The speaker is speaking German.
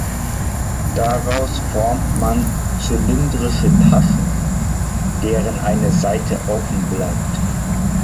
Daraus formt man zylindrische Taschen, deren eine Seite offen bleibt.